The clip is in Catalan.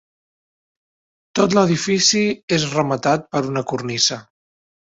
Tot l'edifici és rematat per una cornisa.